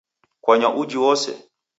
Kwanywa uji w'ose?